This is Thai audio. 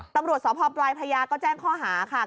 ตำรวจสพปลายพระยาก็แจ้งข้อหาค่ะ